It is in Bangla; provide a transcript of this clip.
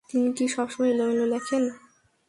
তিনি কি সবসময় এলোমেলো লেখেন?